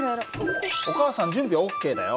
お母さん準備はＯＫだよ。